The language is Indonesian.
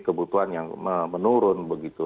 kebutuhan yang menurun begitu